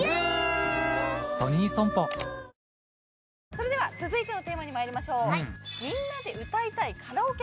それでは続いてのテーマに参りましょう。